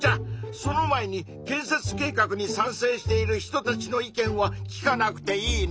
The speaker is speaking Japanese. その前に建設計画に賛成している人たちの意見は聞かなくていいの？